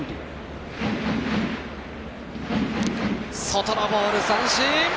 外のボール、三振！